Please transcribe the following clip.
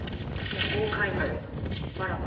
豪快にバラバラ。